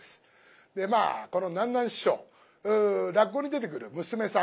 まあこの南なん師匠落語に出てくる娘さん